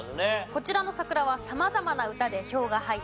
こちらの桜は様々な歌で票が入った花でした。